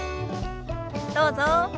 どうぞ。